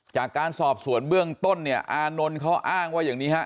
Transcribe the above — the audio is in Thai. จากการสอบสวนเบื้องต้นเนี่ยอานนท์เขาอ้างว่าอย่างนี้ฮะ